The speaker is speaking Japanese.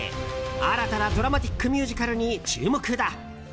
新たなドラマティックミュージカルに注目だ。